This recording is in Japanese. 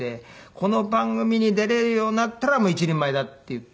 「この番組に出られるようになったら一人前だ」って言って。